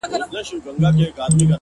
• خوني خنجر نه دى چي څوك يې پـټ كــړي؛